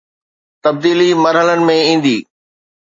تبديلي مرحلن ۾ ايندي